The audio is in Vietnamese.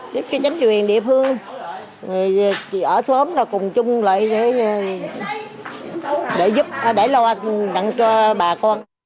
tiếp cho chánh truyền địa phương ở xóm cùng chung lại để loa đăng cho bà con